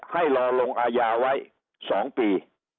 ให้รอลงอาญาไว้๒ปี